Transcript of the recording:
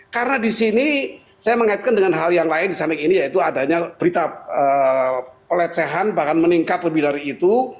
karena di sini saya mengaitkan dengan hal yang lain di saming ini yaitu adanya berita pelecehan bahkan meningkat lebih dari itu